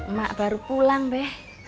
mak baru pulang be